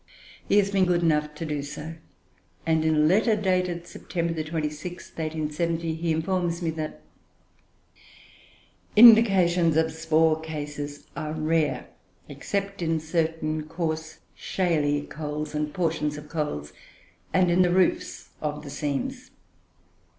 He has been good enough to do so; and in a letter dated September 26th, 1870, he informs me that "Indications of spore cases are rare, except in certain coarse shaly coals and portions of coals, and in the roofs of the seams.